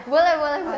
boleh boleh boleh